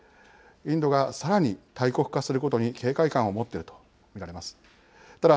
インドがさらに大国化することに警戒感を持っていると見られます。